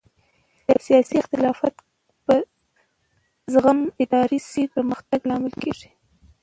سیاسي اختلاف که په زغم اداره شي د پرمختګ لامل ګرځي